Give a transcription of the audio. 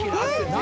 何？